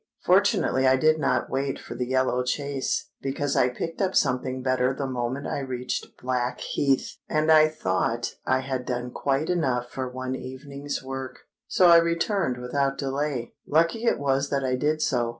Fortunately I did not wait for the yellow chaise, because I picked up something better the moment I reached Blackheath; and I thought I had done quite enough for one evening's work—so I returned without delay. Lucky it was that I did so.